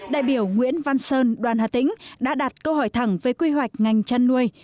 đại biểu nguyễn văn sơn đoàn hà tĩnh đã đặt câu hỏi thẳng về quy hoạch ngành chăn nuôi